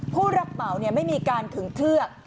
ผู้รับเหมาเนี่ยไม่มีการถึงเทือก